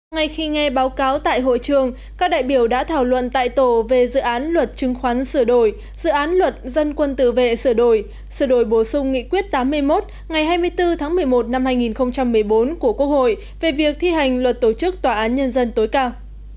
ngay khi nghe báo cáo tại hội trường các đại biểu đã thảo luận tại tổ về dự án luật chứng khoán sửa đổi dự án luật dân quân tự vệ sửa đổi sửa đổi bổ sung nghị quyết tám mươi một ngày hai mươi bốn tháng một mươi một năm hai nghìn một mươi bốn của quốc hội về việc thi hành luật tổ chức tòa án nhân dân tối cao